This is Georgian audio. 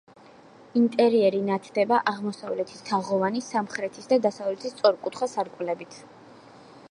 ინტერიერი ნათდება აღმოსავლეთის თაღოვანი, სამხრეთის და დასავლეთის სწორკუთხა სარკმლებით.